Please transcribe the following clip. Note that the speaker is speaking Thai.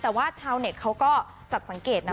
แต่ว่าชาวเน็ตพูดของเราก็จับสังเกตว่า